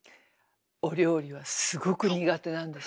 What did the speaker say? お料理はすごく苦手なんです。